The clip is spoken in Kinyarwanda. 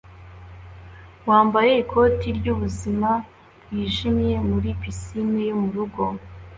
wambaye ikoti ryubuzima bwijimye muri pisine yo murugo